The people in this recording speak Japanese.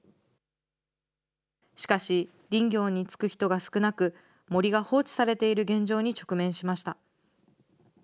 しかし、林業に就く人が少なく、森が放置されている現状に直面しました。